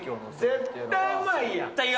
絶対うまいやん。